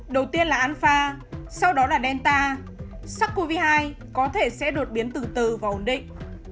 đầu tiên là alpha sau đó là nelta sắc covid hai có thể sẽ đột biến từ từ và ổn định